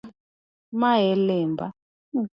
Ma e lemba.